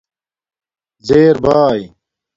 زیر باݵ